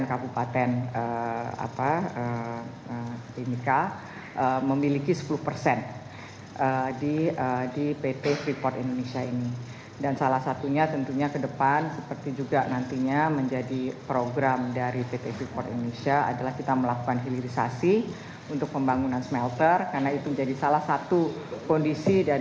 kementerian keuangan telah melakukan upaya upaya